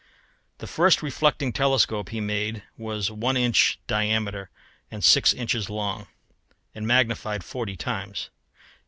The first reflecting telescope he made was 1 in. diameter and 6 in. long, and magnified forty times.